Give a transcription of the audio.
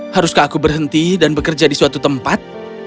haruskah aku berhenti dan bekerja di suatu tempat